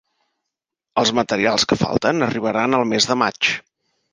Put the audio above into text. Els materials que falten arribaran el mes de maig.